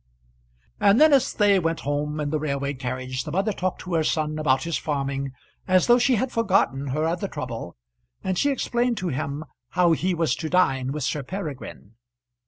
And then, as they went home in the railway carriage the mother talked to her son about his farming as though she had forgotten her other trouble, and she explained to him how he was to dine with Sir Peregrine.